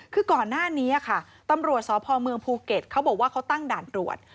คือก่อนหน้านี้ค่ะตำรวจสพเมืองภูเก็ตเขาบอกว่าเขาตั้งด่านตรวจ